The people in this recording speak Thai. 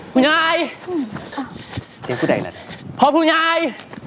เบียงพูดไงละเนี้ยพ่อผู้ยาย